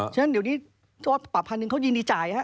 ซึ่งเดี๋ยวนี้ปรับ๑๐๐๐เขายินยินช่าย